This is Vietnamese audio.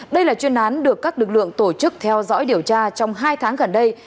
đây là chuyên án được các lực lượng tổ chức theo dõi điều tra trong hai tháng gần đây